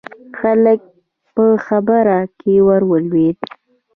هلک په خبره کې ور ولوېد: